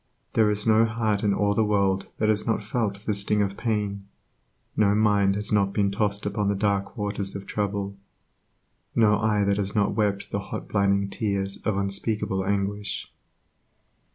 There is no heart in all the world that has not felt the sting of pain, no mind has not been tossed upon the dark waters of trouble, no eye that has not wept the hot blinding tears of unspeakable anguish.